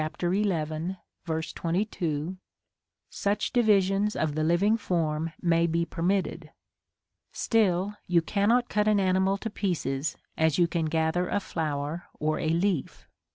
22), such divisions of the living form may be permitted; still, you cannot cut an animal to pieces as you can gather a flower or a leaf.